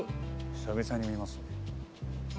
久々に見ます。